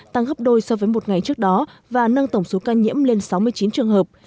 tăng gấp đôi so với một ngày trước đó và nâng tổng số ca nhiễm lên sáu mươi chín trường hợp